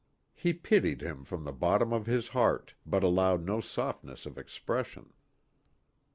He pitied him from the bottom of his heart, but allowed no softness of expression.